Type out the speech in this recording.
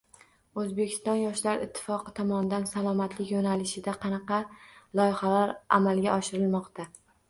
O‘zbekiston yoshlar ittifoqi tomonidan Salomatlik yo‘nalishida qanaqa loyihalar amalga oshirilmoqda?